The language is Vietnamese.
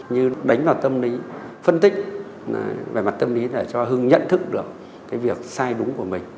như đánh vào tâm lý phân tích về mặt tâm lý để cho hưng nhận thức được cái việc sai đúng của mình